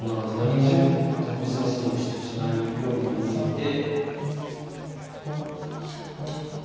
何も特別なことをしないように見えて。